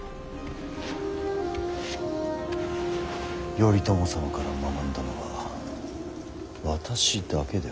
頼朝様から学んだのは私だけではない。